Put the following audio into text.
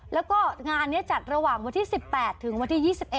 แล้วก็งานนี้จัดระหว่างวันที่๑๘ถึงวันที่๒๑